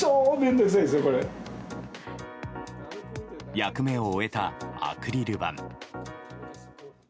役目を終えたアクリル板。